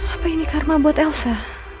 apa ini karma buat elsa